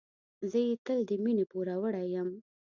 زه یې تل د مینې پوروړی یم.